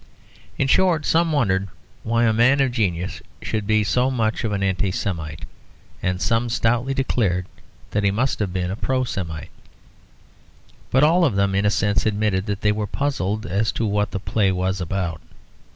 In short, some wondered why a man of genius should be so much of an Anti Semite, and some stoutly declared that he must have been a Pro Semite. But all of them in a sense admitted that they were puzzled as to what the play was about.